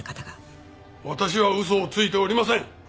私は嘘をついておりません。